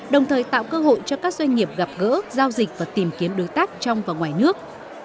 đồng thời tạo cơ hội cho các doanh nghiệp gặp gỡ giao dịch và tìm kiếm đối tác trong và ngoài nước